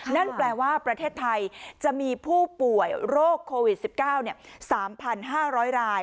นั่นแปลว่าประเทศไทยจะมีผู้ป่วยโรคโควิด๑๙๓๕๐๐ราย